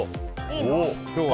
今日は。